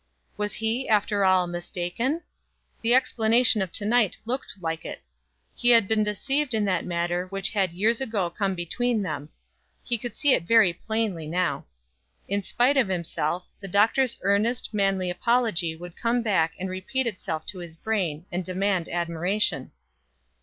Was he, after all, mistaken? The explanation of to night looked like it; he had been deceived in that matter which had years ago come between them; he could see it very plainly now. In spite of himself, the doctor's earnest, manly apology would come back and repeat itself to his brain, and demand admiration.